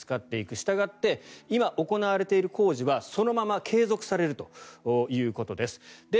したがって今行われている工事はそのまま継続されるということです。